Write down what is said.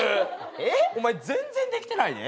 お前全然できてないで？